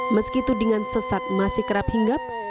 meskitu dengan sesat masih kerap hinggap